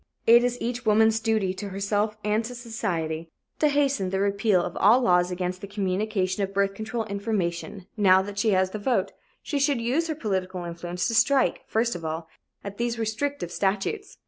It is each woman's duty to herself and to society to hasten the repeal of all laws against the communication of birth control information now that she has the vote, she should use her political influence to strike, first of all, at these restrictive statutes.